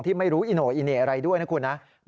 ที่ไม่รู้อิโนะอิเหนะอะไรด้วยนะครับ